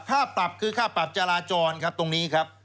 ค่าปรับคือค่าปรับจราจรครับตรงนี้ครับ